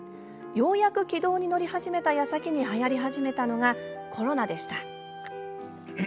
ようやく軌道に乗り始めたやさきにはやり始めたのがコロナでした。